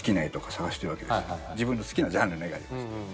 自分の好きなジャンルの絵がありましてね。